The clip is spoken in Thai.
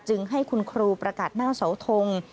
จึงให้คุณครูประกาศหน้าเสาทง